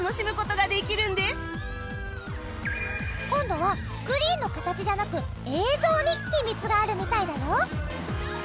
今度はスクリーンの形じゃなく映像に秘密があるみたいだよ！